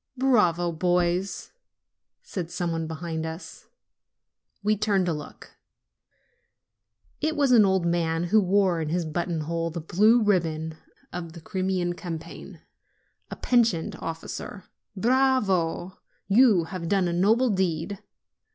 "Bravo, boys!" said some one behind us. We NELLI'S PROTECTOR 43 turned to look; it was an old man who wore in his button hole the blue ribbon of the Crimean campaign a pensioned officer. "Bravo!" he said; "you have done a noble deed."